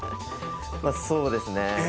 まぁそうですね。